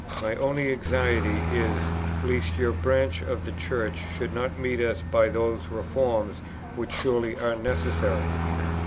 My only anxiety is lest your branch of the Church should not meet us by those reforms which surely are necessary.